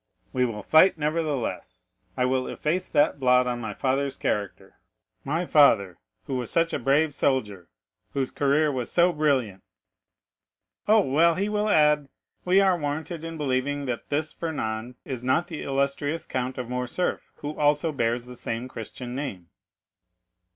"We will fight, nevertheless. I will efface that blot on my father's character. My father, who was such a brave soldier, whose career was so brilliant——" "Oh, well, he will add, 'We are warranted in believing that this Fernand is not the illustrious Count of Morcerf, who also bears the same Christian name.